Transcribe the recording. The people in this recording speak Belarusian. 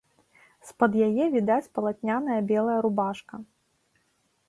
З-пад яе відаць палатняная белая рубашка.